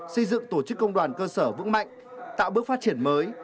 xây dựng tổ chức công đoàn cơ sở vững mạnh tạo bước phát triển mới